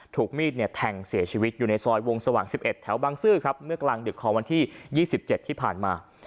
ถูกมีดเนี่ยแทงเสียชีวิตอยู่ในซอยวงสว่าง๑๑แถวบางซื่อครับเมื่อกลางดึกของวันที่๒๗ที่ผ่านมา